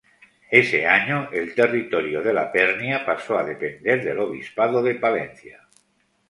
Ese año, el territorio de La Pernía pasó a depender del obispado de Palencia.